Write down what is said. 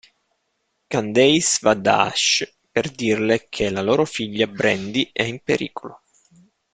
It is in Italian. Candace va da Ash per dirle che la loro figlia, Brandy, è in pericolo.